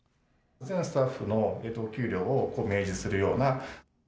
スタッフのお給料を明示するような。